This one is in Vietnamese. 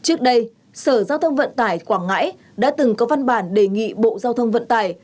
trước đây sở giao thông vận tải quảng ngãi đã từng có văn bản đề nghị bộ giao thông vận tải